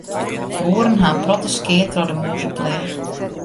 Boeren ha in protte skea troch de mûzepleach.